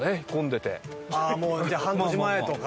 もうじゃあ半年前とか。